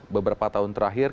beberapa tahun terakhir